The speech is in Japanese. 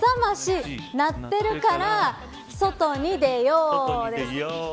鳴ってるから外に出ようですね。